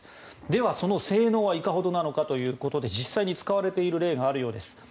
ではその性能はいかほどなのかということで実際に使われている例があるようです。